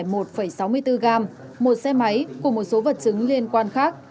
một xe máy cùng một số vật chứng liên quan khác